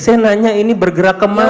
saya nanya ini bergerak kemana